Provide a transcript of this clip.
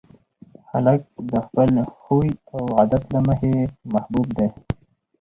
هلک د خپل خوی او عادت له مخې محبوب دی.